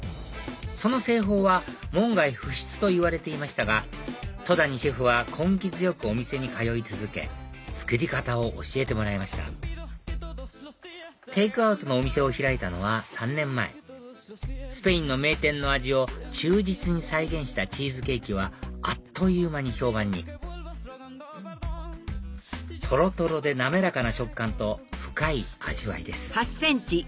その製法は門外不出と言われていましたが戸谷シェフは根気強くお店に通い続け作り方を教えてもらいましたテイクアウトのお店を開いたのは３年前スペインの名店の味を忠実に再現したチーズケーキはあっという間に評判にとろとろで滑らかな食感と深い味わいです